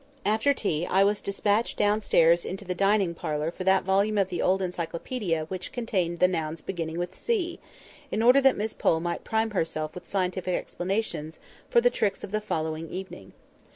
After tea, I was despatched downstairs into the dining parlour for that volume of the old Encyclopædia which contained the nouns beginning with C, in order that Miss Pole might prime herself with scientific explanations for the tricks of the following evening.